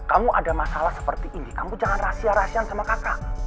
kamu ada masalah seperti ini kamu jangan rahasia rahasiaan sama kakak